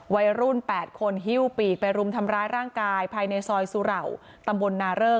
วัยรุ่น๘คนฮิ้วปีกไปรุมทำร้ายร่างกายภายในซอยสุเหล่าตำบลนาเริก